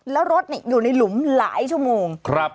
แล้วรถอยู่ในหลุมหลายชั่วโมง